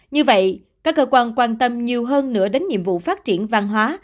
như vậy các cơ quan quan tâm nhiều hơn nữa đến nhiệm vụ phát triển văn hóa